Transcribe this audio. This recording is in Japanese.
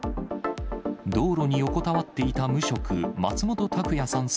道路に横たわっていた無職、松本拓也さん